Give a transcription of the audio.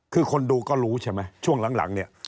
คือคนดูก็รู้ใช่ไหมช่วงหลังเนี่ย